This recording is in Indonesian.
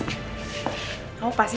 ya terima kasih